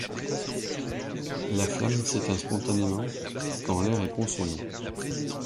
La flamme s'éteint spontanément quand l'air est consommé.